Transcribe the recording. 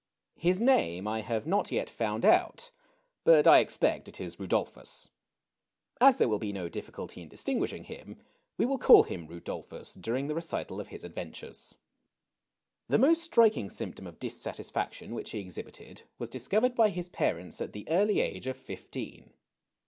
His name I have not yet found out, but I expect it is Kudolphus. As there will be no difficulty in distinguishing him, we will call him Rudolphus during the recital of his adventures. The most striking symptom of dissatisfaction which he exhibited was discovered by his parents at the early age of fifteen.